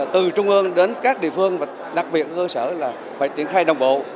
từ trung ương đến các địa phương và đặc biệt cơ sở là phải triển khai đồng bộ